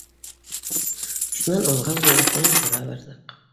Шунан уңға боролдоҡ, йәнә тура барҙыҡ.